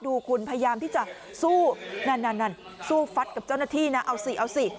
ดูคุณพยายามที่จะสู้นั่นนั่นสู้ฟัดกับเจ้าหน้าที่นะเอาสิเอาสิ